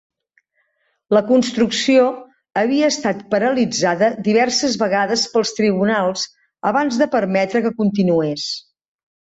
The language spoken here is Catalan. La construcció havia estat paralitzada diverses vegades pels tribunals abans de permetre que continués.